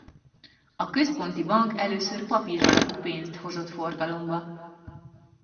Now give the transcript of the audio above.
A központi bank először papír alapú pénzt hozott forgalomba.